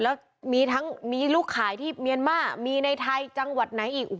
แล้วมีทั้งมีลูกขายที่เมียนมาร์มีในไทยจังหวัดไหนอีก